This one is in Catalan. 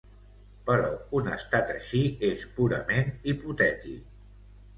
Però un estat així és purament hipotètic.